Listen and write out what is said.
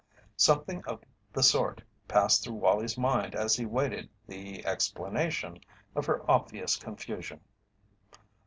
Something of the sort passed through Wallie's mind as he waited the explanation of her obvious confusion.